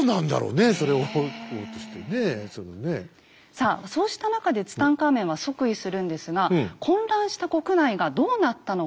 さあそうした中でツタンカーメンは即位するんですが混乱した国内がどうなったのか。